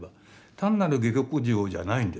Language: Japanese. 単なる下克上じゃないんですね。